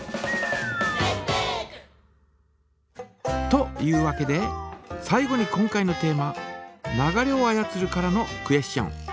というわけで最後に今回のテーマ「流れを操る」からのクエスチョン。